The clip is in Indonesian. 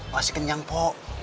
masih kenyang poh